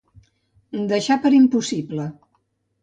Deixar per impossible.